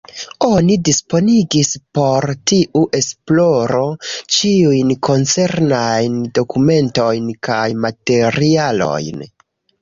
Oni disponigis por tiu esploro ĉiujn koncernajn dokumentojn kaj materialojn.